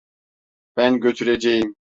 Ben götüreceğim.